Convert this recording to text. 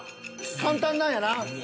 簡単なんやな？